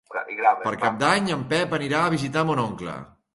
Per Cap d'Any en Pep anirà a visitar mon oncle.